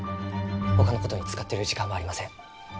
ほかのことに使ってる時間はありません。